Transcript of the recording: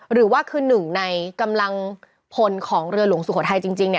หรือว่าคือหนึ่งในกำลังพลของเรือหลวงสุโขทัยจริง